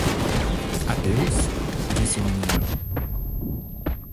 "Adeus?" disse o menino.